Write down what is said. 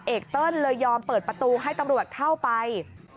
เอกเติ้ลเลยยอมเปิดประตูให้ตำรวจเข้าไป